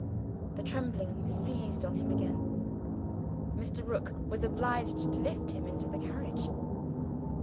The trembling seized on him again. Mr. Rook was obliged to lift him into the carriage.